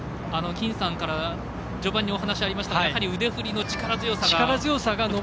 金さんから序盤にお話ありましたがやはり腕振りの力強さが。